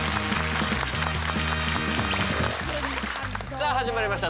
さあ始まりました